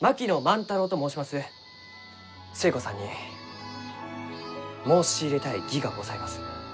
寿恵子さんに申し入れたい儀がございます。